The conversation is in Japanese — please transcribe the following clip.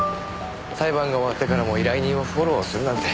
裁判が終わってからも依頼人をフォローするなんて。